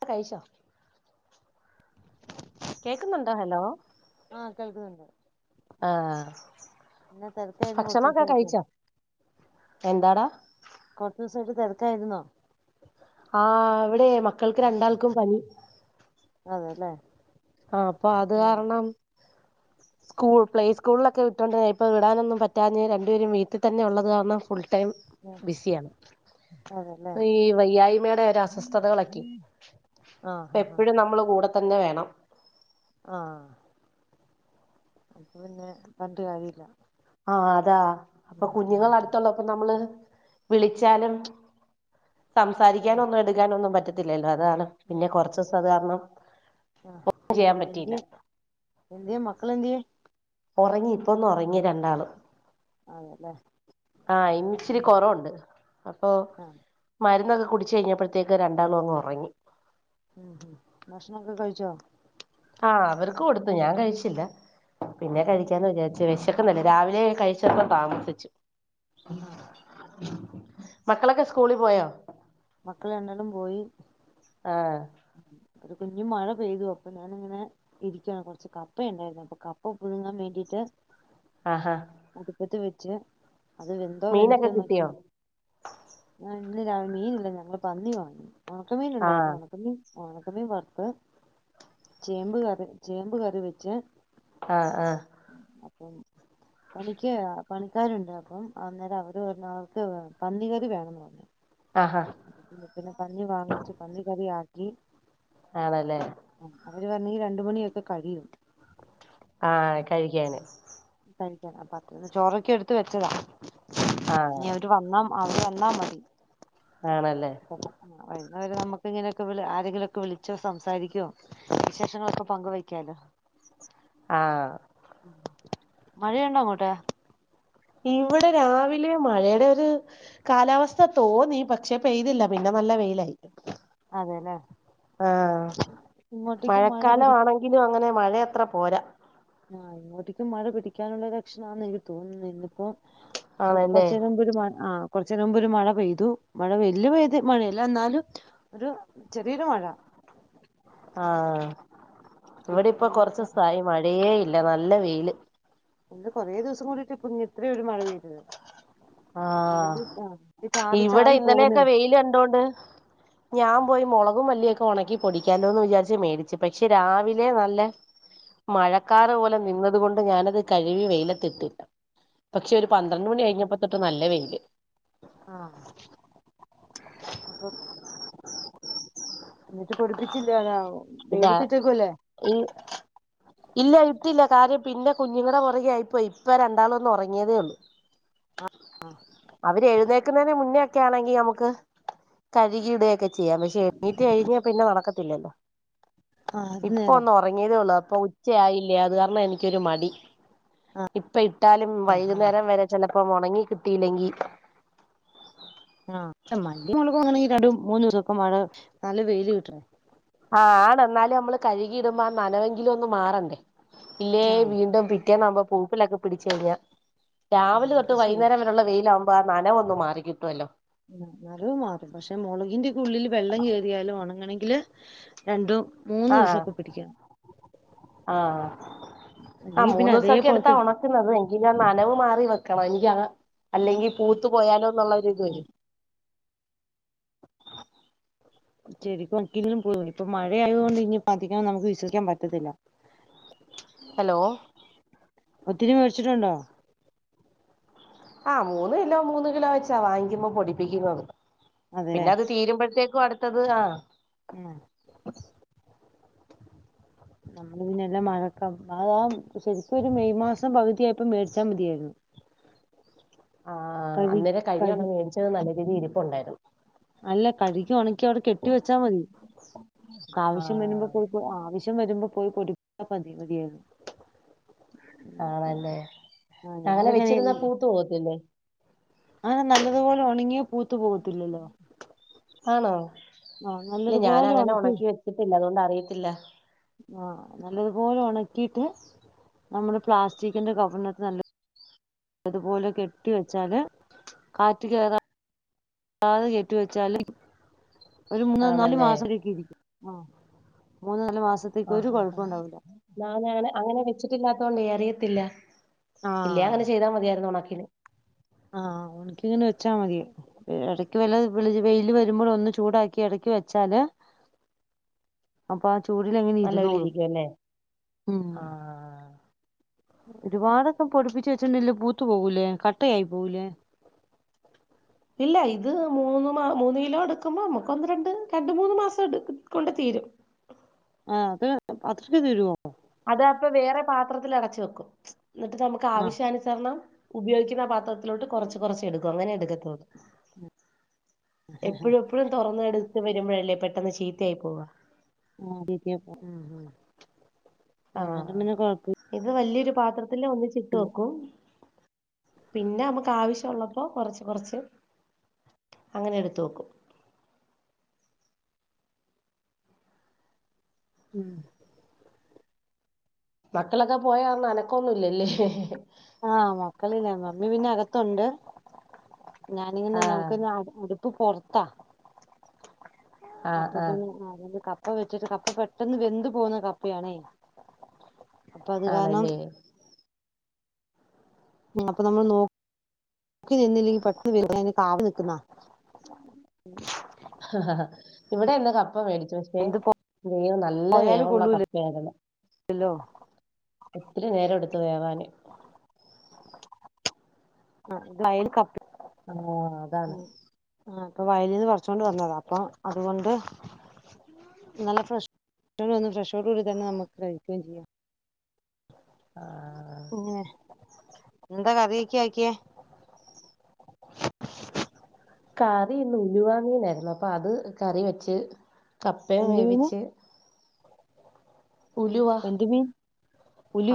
ആ കൈച്ചോ കേക്കുന്നുണ്ടോ ഹലോ ആ കേൾക്കുന്നുണ്ട് ആ എന്നാ തിരക്കായിരുന്നു കുറച്ച് ഭക്ഷണംൊക്കെ ദിവസായിട്ട് കഴിച്ച എന്താണ് ട്ട് തിരക്കായിരുന്നോ ആ ഇവിടെ മക്കൾക്ക് രണ്ടാൾക്കും പനി അതെല്ലേ ആ അപ്പൊ അത് ഉം കാരണം സ്കൂൾ പ്ലേ സ്കൂളിലൊക്കെ വിട്ടോണ്ട് ഇപ്പൾ വിടാനന്നും പറ്റാഞ്ഞ രണ്ടുപേരും വീട്ടിൽ തന്നെള്ള കാണ്ണം ഫു ടൈം ഉം ബിസിയാണ് അതെല്ലേ ഈ വയ്യായ്മയുടെ ഒ അസ്വസ്ഥതകളൊകെ ആഹ് അപ്പ ആഹ് എപ്പോഴും നമ്മൾ കൂടെ തന്നെ വേണം ആ അപ്പൊ പിന്നെ പറഞ്ഞിട്ട് കാര്യമില്ല ആ അതാ അപ്പൊ ഉം കുഞ്ഞുങ്ങൾ ഉം അടുത്തുള്ളൂ ഇപ്പൊ നമ്മള് വിളിച്ചാലും ആഹ് സംസാരിക്കാനൊന്നും എടുക്കാന ഒന്നും പറ്റത്തി അതാണ് ഉം പിന്നെ ഉം കൊറച്ച് ദിവസം സ കാരണം ആഹ് ഒന്നും ചെയ്യാൻ പറ്റിയില്ല മകളെന്തെ ഉറങ്ങി ഇപ്പൊന്ന് ഉറങ്ങി രണ്ടാള് അതെല്ലേ ആ ഇനി ഇച്ചിരി ആഹ് കുറവുണ്ട് അപ്പൊ ആഹ് മരുന്നൊക്കെ കുടച്ച് കഴിഞ്ഞപ്പോഴത്തേക്ക് രണ്ടാളും അങ് ഉറങ്ങി ഉം ഹ ഭക്ഷണംക്കെ കഴിച്ചോ ആഹ അവർക്ക് കൊടുത്തു ഞാൻ കഴിച്ചില്ല പിന്നെ ആഹ് കഴിക്കാന്ന് വിചാ വിശക്കല്ലേ രാവിലെ കഴിച്ചന്ന താമസിച്ചു ആഹ് മക്കളൊക്കെ സ്കൂളിൽ പോയാോ മക്കൾ എണ്ടാലും പോയി [inaudible] ഒരു കുഞ്ു മഴ പെയ്തു അപ്പൊ ഞാനിങ്ങനെ ഇരിക്കയാണ് കുറച്ച് കപ്പയ ഉണ്ടായിരുന്നു അപ്പൊ കപ്പ പുൊതുങ്ങാൻ വേണ്ടിയിട്ട് ആഹാ അത് പത്ത വെച്ചു അത് വെന്തോ മീനൊക്കെ കിട്ടിയോ വെന്തിട്ടക്ക ഇന്ന ര മീനില്ല ഞങ്ങള്ൾ പന്നി വാങ്ങി ഉണക്കക്ക് മീൻ ഉണ്ടായിരുന്നു ആഹ് ഉ വണക്കമേ പത്ത് ചേമ്പ് കറി ചേമ്പ് കറി വെച്ച ആഹ് ആഹ് [inaudible] പണിക്ക് പണിക്കാരുണ്ട് അപ്പം അന്നേരം അവര് പറഞ്ഞവർക്ക് പന്നി കറി വേണംന്ന് പറഞ്ഞു ആഹാ അപ്പം പിന്നെ പന്നി വാങ്ങിച്ചു പന്നി കറി ആക്കി ആണല്ലേ അവര് വരണേ രണ്ട് മണിയൊക്കെ കഴിയും ആഹ് കഴിക്കാന് അപ്പത്തേക്ക് ചോറൊക്കെ എടുത്ത് വെച്ചതാ ആഹ് ഇനി അവര് വന്നാ അവര് വന്നാ മതി ആണല്ലേ അപ്പം, ആ, വരുന്നവരെ നമുക്ക് ഇങ്ങനെ ആരെങ്കിലുംക്കെ വിളിച്ചോ സംസാരിക്കുവോ വിശേഷങ്ങളൊക്കെ പങ്ക് വയ്ക്കാലോ ആഹ് മഴയുണ്ടോ അങ്ങോട്ട്‌ ഇവിടെ രാവിലെ മഴയുടെ ഒരു കാലാവസ്ഥ തോന്നി പക്ഷെ പെയ്തില്ല പിന്നെ നല്ല വെയിലായി അതെല്ലേ ആഹ് ഇങ്ങോട്ടേക്ക് മഴ മഴക്കാലം പിടി ആണെങ്കിലും അങ്ങനെ മഴയത്ര പോരാ ആഹ് ഇങ്ങോട്ടേക്ക് മഴ പിടിക്കാനുള്ള ലക്ഷണംന്ന് എനിക്ക് തോന്നുന്ന ഇന്നിപ്പോ ആണല്ലേ കൊറച്ച് കഴിയമ്പം ആഹ് കുറച്ചു നേരം മുമ്പ് ഒരു മഴ പെയ്തു മഴ ബല്യ പെയ്ത് മഴല്ല എന്നാലും ഒരു ചെറിയൊരു മഴ ആഹ് ഇവിടെ പിന്നെ ഇപ്പൊ ഇനിയിപ്പോ കുറച്ചസായി മഴേ ല്ല നല്ല വെയില് ഇത് കൊറെ ദിവസം കൂടിട്ട് ഇപ്പം ഇത്ര ഒരു മഴ പെയ്തത് ആഹ് അല്ലെങ്കിൽ ആ ഇത് ചാറി ഇവിടെ ചാറി പോകുന്നു ഇന്നലെയൊക്കെ വെയില് കണ്ടോണ്ട് ഞാൻ പോയി മുളകും മല്ലിയ ഉണക്കി പൊടിക്കാലോന്ന് വിചാരിച്ച് മേടിച്ചു പക്ഷെ രാവിലെ നല്ല മഴക്കാറ് നിന്നത് കൊണ്ട് ഞാനത് കഴുകി വെയിലത്തിട്ടില്ല പക്ഷെ ഒരു പന്ത്രണ്ട് മണി കഴിഞ്ഞപ്പോ ത്തൊട്ട് നല്ല വെയില് അപ്പം എന്നിട്ട് പൊടിപ്പിച്ചില്ല അതാവോ പിന്നെ ഈ ഇല്ല ഇട്ടില്ല കാര്യം പിന്നെ കുഞ്ഞുങ്ങളുടെ പുറകെ ആയിപ്പോയി ഇപ്പ രണ്ടാളും ഒന്ന് ഉറങ്ങിയതേ ഉള്ളൂ അവര് എഴുന്നേക്കുന്നതിന് മുന്നേ ഒക്കെ ആണെങ്കി നമുക്ക് കഴുകി ഇടുകയൊക്കെ ചെയ്യാം പക്ഷെ എണീറ്റ് കഴിഞ്ഞാൽ പിന്നെ നടക്കത്തില്ലല്ലോ ആ അത് ഇപ്പൊ നേരാ ഒന്ന് ഉറങ്ങിയതേ ഉള്ളൂ അപ്പൊ ഉച്ചയായില്ലേ അത് കാരണം എനിക്കൊരു മടി ആ ഇപ്പം ഇട്ടാലും ആ വൈകുന്നേരം വരെ ചിലപ്പോ ഉണങ്ങി കിട്ടിയില്ലെങ്കി ആ ആ മല്ലിയും മുളകും അങ്ങനെ രണ്ട് മൂന്ന് ദിവസൊക്കെ മഴ നല്ല വെയില് കിട്ടണ ആഹ് എന്നാലും നമ്മള് കഴുകിയിടുമ്പോ ആ നനവെങ്കിലും ഒന്നും മാറണ്ടേ ഇല്ലേ ആ വീണ്ടും പിറ്റേനാവുമ്പം പൂപ്പലൊക്കെ പിടിച്ച് കഴിഞ്ഞ ആ രാവിലെ അത് തൊട്ട് ശരി വൈകുന്നേരം വരെയുള്ള വെയിലാവുമ്പോ ആ നനവ് ഒന്നും മാറി കിട്ടുവല്ലോ മരവ് മാറും പക്ഷെ മുളകിന്റെ ഉള്ളില് വെള്ളം കയറിയാലും ഉണങ്ങണെ ങ്കില് രണ്ടും മൂന്നും ദിവസൊക്കെ പിടിക്കണം ആഹ് ആഹ് അല്ലെങ്കി മൂന്ന് പിന്നെ ദിവസൊക്കെ എടുത്താ അതേപോലത്തെ ഉണക്കുന്നത് എങ്കിലും ആ നനവ് മാറി വെ ക്കണം എനിക്ക് അതാ അല്ലെങ്കി പൂത്തു പോയാലോന്നുള്ള ഒരു പേടി ശരിക്കും ഒരിക്കലും ഇപ്പൊ മഴ ആയതുകൊണ്ട് ഇനി നമുക്ക് വിശ്വിക്കാൻ പറ്റത്തില്ല ഹലോ ഒത്തിരി മേടിച്ച്ട്ടുണ്ടോ ആഹ് മൂന്ന് കിലോ മൂന്ന് കിലോ വെച്ചാ വാങ്ങിക്കുമ്പോ പൊടിപ്പിക്കുന്നത് അതെ പിന്നെ അത് തീരുമ്പോഴത്തേക്കും അടുത്തത് ആഹ് ഉം [inaudible] നമ്മള് പിന്നെ എല്ലാം മഴക്കാ അതാ ശരിക്കും ഒരു മെയ് മാസം പകുതിയപ്പോ മേടിച്ചാൽ മതിയായിരുന്നു. [inaudible] ആഹ് കഴി അന്നേരം കഴിഞ്ഞ കഴി കൊല്ലം മേടിച്ചത് നല്ല രീതിയില് ഇരിപ്പ ഉണ്ടായിരുന്നു. അല്ല കഴിക്കുവാണ്. ടെ കെട്ടി വെച്ചാൽ മതി, ആ ആവശ്യം വരുമ്പോ ആവശ്യം വരുമ്പോ പോയി [unintelligible] മതിയായിരുന്നു. ആണല്ലേ ആ അങ്ങനെ ഞങ്ങളങ്ങനെ വെച്ചിരുന്നാ പൂത്ത് പോവത്തില്ലേ അങ്ങനെ നല്ലതുപോലെ ഉണങ്ങിയ പൂത്തു പോകത്തില്ലല്ലോ ആണോ, ആഹ് ഇല്ല ഞാൻ നല്ലതുപോലെ അങ്ങനെ ഉണക്കി വെച്ചിട്ടില്ല അതുകൊണ്ട് അറിയത്തില്ല. ആഹ നല്ലതുപോലെ ഉണക്കിയിട്ട് നമ്മള് പ്ലാസ്റ്റിക്കിന്റെ കവറിനട്ട് നല്ല അതുപോലെ കെട്ടിവെച്ചാല് കാറ്റ് കയറാ തെ കെട്ടി വെച്ചാല് ഒരു മൂന്നോ നാല് ആണല്ലേ മാസമൊക്കെ ഇരിക്കും. ആഹ മൂന്ന് നാല് മാസത്തേക്ക് ആ ഒരു ആാ ആാ കുഴപ്പം ഉണ്ടാവില്ല ഞാന അങ്ങനെ അങ്ങനെ വെച്ചിട്ടില്ലാത്തോണ്ട് അറിയത്തില്ല ഇല്ല അങ്ങനെ ചെയ്താ മതിയായിരുന്നു ഉണക്കിന് ആഹ ഉനക്കിങ്ങനെ വെച്ചാ മതി, ഇടയ്ക്ക് വല്ല വെയില് വരുമ്പോൾ ഒന്ന് ചൂടാക്കി ഇടക്ക് വെച്ചാല് [inaudible] അപ്പൊ ആ ചൂടില എങ്ങനെ നല്ലപോലെ ഇരുന്നോളും ഇരിക്കും അല്ലേ ഉം ആഹ് ഒരുപാടൊക്കെ പൊടിപ്പിച്ച് വെച്ചിണ്ടങ്കിൽ പൂത്തു പോകൂലേ കട്ടയായി പോകൂലേ [inaudible] ഇല്ല ഇത് മൂന്ന് മൂന്ന് കിലോ എടുക്കുമ്പോ നമ്മുക്ക് ഒന്ന് രണ്ട് രണ്ട് മൂന്ന് മാസം എടു കൊണ്ട് തീരും. [inaudible] ആഹ അത് അത്രൊക്കെ തീരുമോ അത് അപ്പൊ വേറെ പാത്രത്തിൽ അടച്ച വെക്കും എന്നിട്ട് നമുക്ക് ആ ആവശ്യാനുസരണം ഉപയോഗിക്കുന്ന പാത്രത്തിലോട്ട് കൊറച്ച് കൊറച്ച് എടുക്കും അങ്ങനെ എടുക്കത്തോള്ളൂ. എപ്പോഴും എപ്പോഴും തുറന്ന് എടുത്ത് വരുമ്പോഴല്ലേ പെട്ടന്ന് ചീത്തയായി പോവാ ചീത്തയായിപ്പോവും ഉം ഉം അന്നേരം ആഹ് പിന്നെ കൊഴപ്പ ഇത് വലിയൊരു പാത്രത്തില് ഒന്നിച്ചിട്ട് വെക്കും പിന്നെ നമുക്ക് ആവശ്യ ഉള്ളപ്പോ കൊറച്ച് കൊറച്ച് അങ്ങനെ എടുത്തുവെക്കും ഉം മക്കളൊക്കെ പോയ അനക്കൊന്നുംല്ലല്ലേ ആഹ് മക്കളില്ല, മമ്മി പിന്നെ അകത്തുണ്ട്. ഞാനിങ്ങനെ ആഹ് ഞങ്ങക്ക് അടുപ്പ് പൊറത്താ ആഹ് അപ്പൊ ആഹ് പിന്നെ അ കപ്പ വെച്ചിട്ട് കപ്പ പെട്ടെന്ന് വെന്ത് പോവുന്ന കപ്പയാണേ അപ്പൊ അത് കാരണം ആണല്ലേ അപ്പൊ നമ്മൾ നോ ക്കി നിന്നില്ലെങ്കി പെട്ടന്ന് വേവും അതിന് കാത്തു നിക്കുന്ന ആ ഇവിടെ എന്നാ കപ്പ മേടിക്ക പക്ഷെ വെന്ത് വേവ് നല്ല വേവുള്ള കപ്പയായിരുന്നു. ഹലോ ഒത്തിരി നേരം എടുത്തു വേവാന് ആ വയൽ കപ്പ ആഓ അതാണ് ഇപ്പൊ വയലീന്ന് പറിച്ചൊണ്ട് വന്നത അപ്പൊ അതുകൊണ്ട് നല്ല ഫ്രഷ് ഫ്രഷോട് കൂടി തന്നെ നമുക്ക് കഴിക്കുകയും ചെയ്യാം ഉം എന്താ കറിയൊക്ക ആക്കിയെ കറിന്ന് ഉലുവ മീനായിരുന്നു അപ്പൊ അത് കറി വെച്ച് കപ്പയും എന്ത് മീന് വേവിച്ച് ഉലുവ എന്ത് മീൻ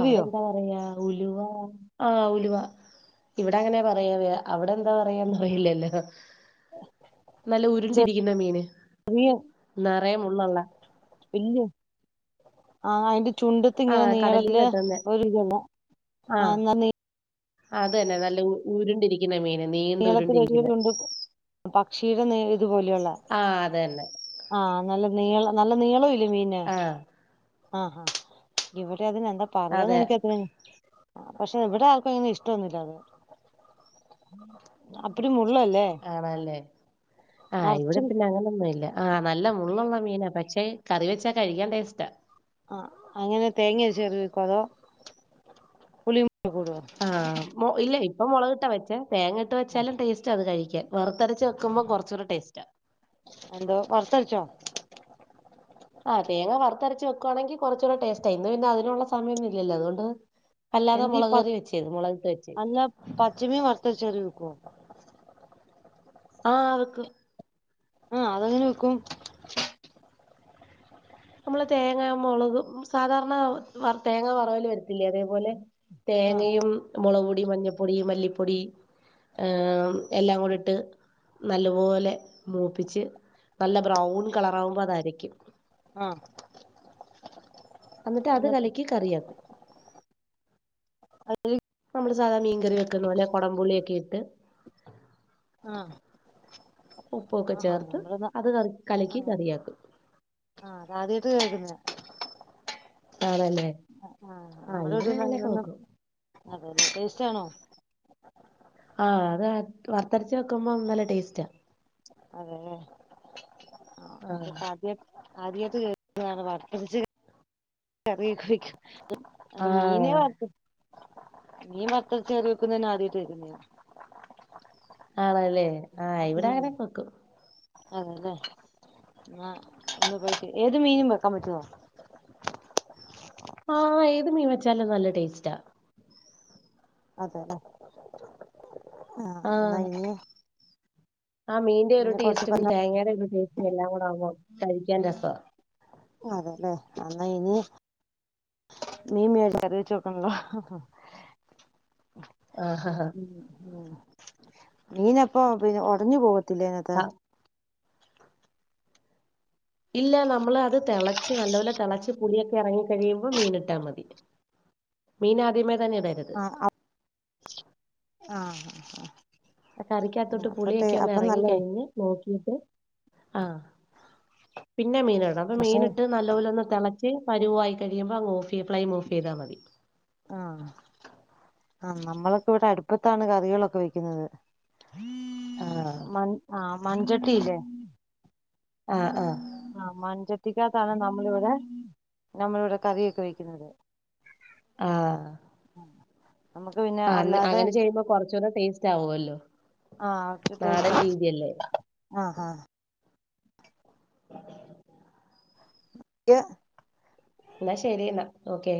അവിടെ എന്താ പറയാ ഉലുവ ആഹ് ഉലുവ ഇവിടെ അങ്ങനെ പറയാവ അവിടെ എന്താ പറയാന്ന് അറിയില്ലല്ലോ നല്ല ഉരുണ്ടിരിക്കുന്ന മീന് ചെറിയ നറയെ മുള്ളൊള്ള [unintelligible] ആ അയിന്റെ ചുണ്ടത്ത് ഇങ്ങനെ ആഹ് കടലീന്ന് നീളത്തില് കിട്ടുന്നെ [unintelligible] ആ ആഹ് എന്നാ നീ അത് തന്നെ നല്ല ഉരുണ്ടിരിക്കുന്ന മീൻ കേരളത്തിലൊരുവിധം ഉണ്ട് പക്ഷെ തീരെ നേരിയത് പോലെയുള്ള ആഹ് അത് തന്നെ ആ നല്ല നീളം നല്ല നീളം ഇ മീനെ ആഹ് ആ ഹാ ആ അതിനെന്താ അതെ പറയാന്ന് എനിക്ക അത്ര [unintelligible] പക്ഷെ എവിടെ ആർക്കും അങ്ങനെ ഇഷ്ടൊന്നില്ല അത് അപ്പടി മുള്ളല്ലേ ആണല്ലേ ആഹ് ഇവിടെ നറച്ചും പിന്നെ അങ്ങനൊ ഒന്നും ഇല്ല. ആഹ് നല്ല മള്ളുള്ള മീനാ പക്ഷെ കറി വെച്ചാ കഴിക്കാൻ ടേസ്റ്റാ അങ്ങനെ തേങ്ങേ [unintelligible] പുളിയും കൂടെ കൂടോ ആഹ് മൊ ഇല്ല ഇപ്പൊ മുളക്ട്ടാ വെച്ചേ തേങ്ങ ഇട്ട് വെച്ചാലും ടേസ്റ്റ് അത് കഴി വറുത്തെരച്ച് വെക്കുമ്പോ കുറച്ചൂടെ ടേസ്റ്റാ എന്തോ വർത്തര്ച്ചോ? ആഹ് തേങ്ങ വറുത്തരച്ച് വെക്കുവാണെങ്കി കുറച്ചൂട ടേസ്റ്റാ ഇന്ന് പിന്ന അതിനുള്ള സമയൊന്നും ഇല്ലല്ലൊ അതുകൊണ്ട് അല്ലാതെ എന്ത് ഈ മുളക് പ കറി വെച്ചത് മുളകിട്ട് വെച്ചെ അല്ല പച്ചമീൻ വറുത്തരച്ച് കറി വെക്കോ ആ അവക്കും ആഹ് അതങ്ങനെ വെക്കും നമ്മള് തേങ്ങ മുളക് സാധാരണ തേങ്ങ വറവൽ വരത്തില്ലേ അതേപോലെ ആഹ് തേങ്ങയും മുളക്പൊടി മഞ്ഞപ്പൊടി മല്ലിപ്പൊടി ഏ എല്ലാം കൂടി ഇട്ട് നല്ലപോലെ മൂപ്പിച്ച് നല്ല ബ്രൗൺ കളറാകുമ്പോ അതരക്കും ആ എന്നിട്ട് അത് കലക്ക് കറിയാക്കും നമ്മള് സാധ മീൻകറി വെക്കുന്ന പോലെ കുടംപുള്ളിയൊക്കെ ഇട്ട് ആ ഉപ്പൊക്കെ ചേർത്ത് അത് കറി കലക്കി ആഹ് കറിയാക്കും ആഹ് അതാദ്യയിട്ട് കേക്കുന്നയ ആണല്ലേ ആ ആഹ് ഇവിടെ നമ്മടിവിടെന്ന് അങ്ങനെയൊക്കെ അങ്ങനൊന്നും വെക്കും [unintelligible] ച്ചാണോ? ആഹ് അത് വറത്തരച്ച വെക്കുമ്പോ നല്ല ടേസ്റ്റാ അതേല്ലെ ആ ആഹ് [unintelligible] ആദ്യമായിട്ട് കേക്കുന്നതാണ് വറത്തരച്ച് കറിയൊക്കെ വെക്കുന്നെ മീന് ആഹ് വർത്ത് മീൻ വറുത്തിട്ട് കറി വെക്കുന്നത് ഞാനാദ്യമായിട്ട് കേക്കുന്നയ ആണല്ലേ ആഹ് ഇവിടെ ഉം അങ്ങനെക്കെ വെക്കും അതെല്ലേ ആ ഒന്ന് പോയിട്ട് ഏത് മീനും വെക്കാൻ പറ്റോ? ആ ഏത് മീൻ വെച്ചാലും നല്ല ടേസ്റ്റാ അതെല്ലെ ആ എന്ന ആഹ് ഇനി ആ മീന്റെ ഒരു ഇനി കൊറച്ച് ടേസ്റ്റും തേങ്ങയുടെ ഒരു ടേസ്റ്റും എല്ലാം കൂടെ ആകുമ്പോ കഴിക്കാൻ രസവാ അതെല്ലേ എന്നായിനി മീൻമേടിച്ച് കറിവെച്ച് വെക്കണില്ല ആഹ് മീനപ്പ്പോ പിന്നെ ഉടഞ്ഞു പോവ തലങ്ങത്ത ആ ഇല്ല നമ്മൾ അത് തിളച്ച് നല്ലപോലെ തിളച്ച് പുൊടിയൊക്കെ ഇറങ്ങി കഴിയുമ്പോൾ മീൻ ഇട്ടാ മതി മീൻ ആദ്യമേ തന്നെ ഇടരുത് ആഹ ആഹ ആഹ കറിക്കാത്തോട്ട് പുളിയൊക്കെ ഒന്ന് നല്ല ഇറങ്ങിിക്കഴിഞ്ഞ് നോക്കിട്ട് ആഹ പിന്നെ മീൻ ഇടണം അപ്പൊ പക്ഷെ മീൻ ഇട്ട് നല്ല പോോലെന്ന തിളച്ച് പരുവായിയി കഴിയുമ്പോ അങ് ഓഫ് ചെയ് പ്ലൈം ഓഫ് ചെയ്ാൽ മതി ആഹ ആ നമ്മളൊക്കെ ഇവിടെ അടുപ്പത്താണ് കറികളൊക്കെ വെക്കുന്നത് ആഹ് മ ആഹ മഞ്ച ജേ ആഹ് ആഹ് ആഹ മഞ്ചത്ത് കത്തിിക്കാത്താണ് നമ്മളിവിടെ നമ്മളിവിടെ കറൊക്കെ വെക്കുന്നത് ആഹ നമുക്ക് പിന്നെ ആ അല്ലാതെ അങ്ങനെ ചെയ്യുമ്പോ കൊറച്ചൂടെ ടേസ്റ്റ് ആവുമല്ലോ ആഹക്കെശ നാടൻ രീതിയല്ലേ ആഹ ആഹ ഉ ക്ക് എന്നാ ശെരി എന്നാ ഓക്കെ